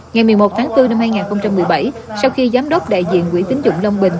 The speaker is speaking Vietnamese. ngày một mươi một tháng bốn năm hai nghìn một mươi bảy sau khi giám đốc đại diện quỹ tính dụng long bình